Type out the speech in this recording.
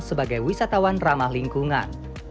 sebagai wisatawan ramah lingkungan